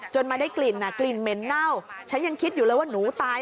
มาได้กลิ่นกลิ่นเหม็นเน่าฉันยังคิดอยู่เลยว่าหนูตาย